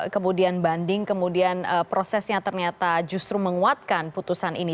kemudian banding kemudian prosesnya ternyata justru menguatkan putusan ini